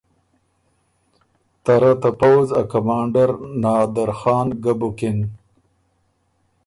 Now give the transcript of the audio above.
ته رۀ ته پؤځ ا کمانډر نادرخان ګۀ بُکِن۔